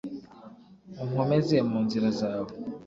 unkomeze mu nzira zawe